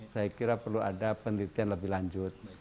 saya kira perlu ada penelitian lebih lanjut